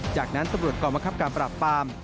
จากนั้นตำรวจกรมคับการปรับปาม